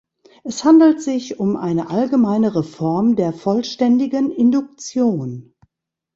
Es handelt sich um eine allgemeinere Form der vollständigen Induktion.